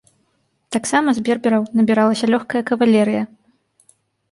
Таксама з бербераў набіралася лёгкая кавалерыя.